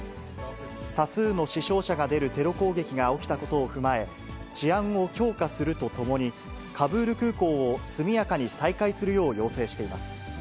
多数の死傷者が出るテロ攻撃が起きたことを踏まえ、治安を強化するとともに、カブール空港を速やかに再開するよう要請しています。